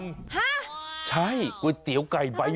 ฮะใช่ก๋วยเตี๋ยวไก่ใบ